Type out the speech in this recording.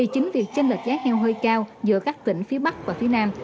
chính việc chênh lệch giá heo hơi cao giữa các tỉnh phía bắc và phía nam